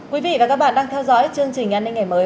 quý vị và các bạn đang theo dõi chương trình an ninh ngày mới